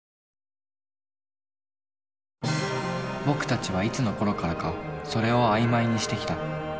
僕たちはいつのころからか「それ」を曖昧にしてきた。